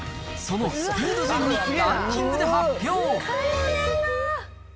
そのスピード順にランキングで発表。